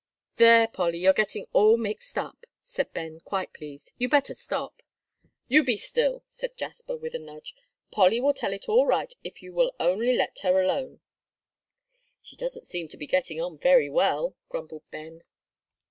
"There, Polly, you're getting all mixed up," said Ben, quite pleased. "You better stop." "You be still," said Jasper, with a nudge. "Polly will tell it all right if you will only let her alone." "She doesn't seem to be getting on very well," grumbled Ben.